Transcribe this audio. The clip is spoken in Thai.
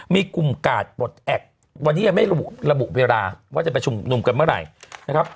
มีกลุ่มกาดปลดแอบวันนี้ยังไม่ระบุระบุเวลาว่าจะไปชุมนุมกันเมื่อไหร่นะครับ